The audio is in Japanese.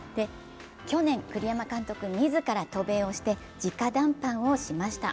去年、栗山監督自ら渡米をして直談判をしました。